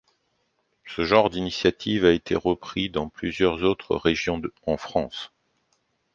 Ce genre d’initiative a été repris dans plusieurs autres régions en France.